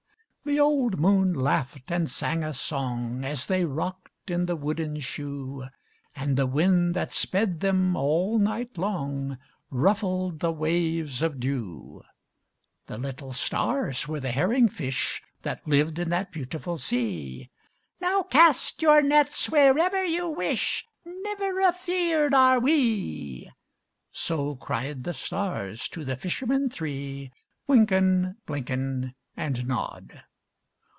The old moon laughed and sang a song, As they rocked in the wooden shoe; And the wind that sped them all night long Ruffled the waves of dew; The little stars were the herring fish That lived in the beautiful sea. "Now cast your nets wherever you wish,— Never afeard are we!" So cried the stars to the fishermen three, Wynken, Blynken, And Nod.